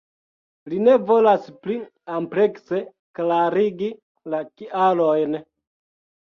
Li ne volas pli amplekse klarigi la kialojn.